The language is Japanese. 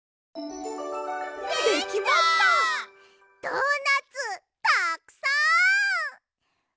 ドーナツたくさん！